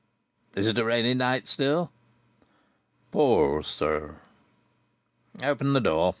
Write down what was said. "Is it a rainy night still?" "Pours, sir." "Open the door.